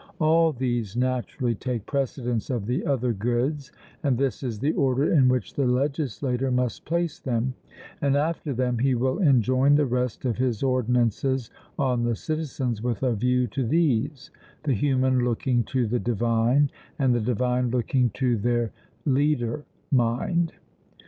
All these naturally take precedence of the other goods, and this is the order in which the legislator must place them, and after them he will enjoin the rest of his ordinances on the citizens with a view to these, the human looking to the divine, and the divine looking to their leader mind.